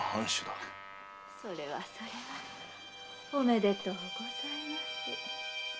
それはそれはおめでとうございます。